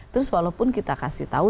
terus walaupun kita kasih tahu